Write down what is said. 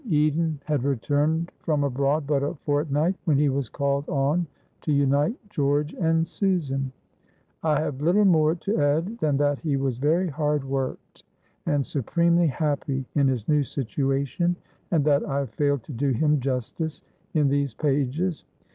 Eden had returned from abroad but a fortnight when he was called on to unite George and Susan. I have little more to add than that he was very hard worked and supremely happy in his new situation, and that I have failed to do him justice in these pages.